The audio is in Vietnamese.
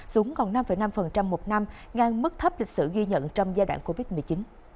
xuống còn năm năm một năm ngang mức thấp lịch sử ghi nhận trong giai đoạn covid một mươi chín